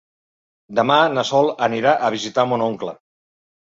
Demà na Sol anirà a visitar mon oncle.